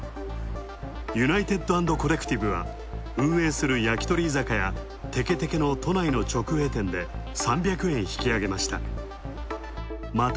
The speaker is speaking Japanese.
ユナイテッド＆コレクティブは、運営する焼き鳥居酒屋、てけてけの都内の直営店で３００円、引き上げました。